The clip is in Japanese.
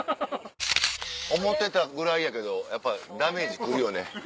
思ってたぐらいやけどやっぱダメージくるよね。